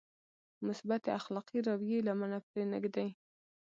مثبتې اخلاقي رويې لمنه پرې نهږدي.